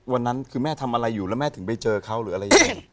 วันนั้นคือแม่ทำอะไรอยู่แล้วแม่ถึงไปเจอเขาหรืออะไรอย่างนี้